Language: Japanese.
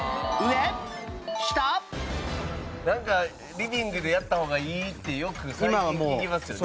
リビングでやった方がいいってよく最近聞きますよね。